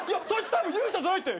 たぶん勇者じゃないって！